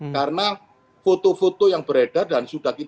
karena foto foto yang beredar dan sudah kibat